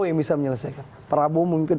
yang bisa menyelesaikan prabowo memimpin